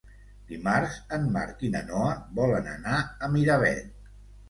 Dimarts en Marc i na Noa volen anar a Miravet.